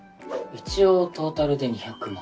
一応トータルで２００万。